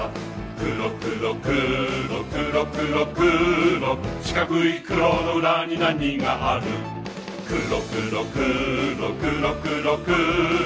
くろくろくろくろくろくろしかくいくろのうらになにがあるくろくろくろくろくろくろ